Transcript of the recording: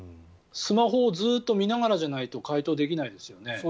スマホをずっと見ながらじゃないと解答できないですよね。